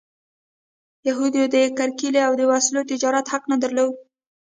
یهودو د کرکیلې او د وسلو تجارت حق نه درلود.